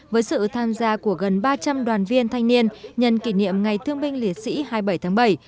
với sự tham gia của gần ba trăm linh đoàn viên thanh niên nhân kỷ niệm ngày thương binh liệt sĩ hai mươi bảy tháng bảy